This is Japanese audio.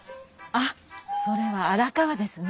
あっそれは荒川ですね。